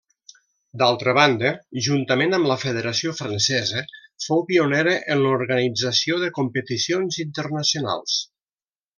D'altra banda, juntament amb la federació francesa, fou pionera en l'organització de competicions internacionals.